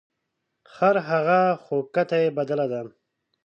خرهغه خو کته یې بدله ده .